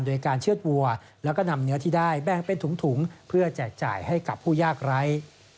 โดยการเชื่อดวัวแล้วก็นำเนื้อที่ได้แบ่งเป็นถุงเพื่อแจกจ่ายให้กับผู้ยากไร้